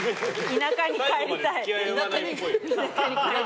田舎に帰りたい。